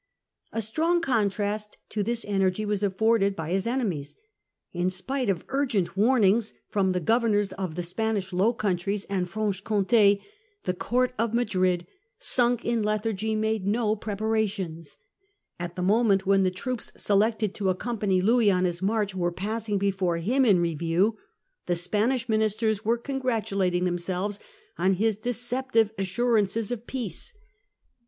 * A strong contrast to this energy was afforded by his enemies. In spite of urgent warnings from the governors of the Spanish Low Countries and Franche Comte, the Unreadiness court of Madrid, sunk in lethargy, made no of Spain. preparations. At the moment when the troops selected to accompany Louis on his march were passing before him in review, the Spanish ministers were cc^igra 144 Treaty of Eventual Partition. 1667 . tulating themselves on his deceptive assurances of peace.